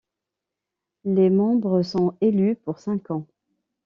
Les membres sont élus pour cinq ans.